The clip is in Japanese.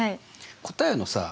答えのさあ